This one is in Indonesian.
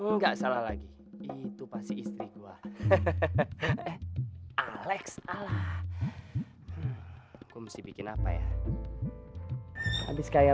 enggak salah lagi itu pasti istri gua hehehe alex allah aku mesti bikin apa ya habis kaya